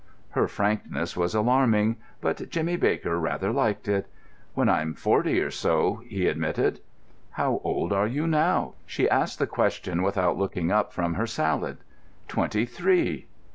Her frankness was alarming, but Jimmy Baker rather liked it. "When I'm forty or so," he admitted. "How old are you now?" She asked the question without looking up from her salad. "Twenty three."